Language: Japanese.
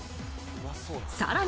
さらに。